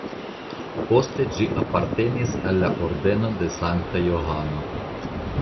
Poste ĝi apartenis al la Ordeno de Sankta Johano.